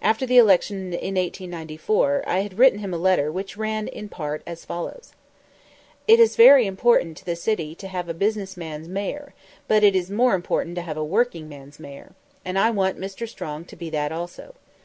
After the election in 1894 I had written him a letter which ran in part as follows: It is very important to the city to have a business man's Mayor, but it is more important to have a workingman's Mayor; and I want Mr. Strong to be that also.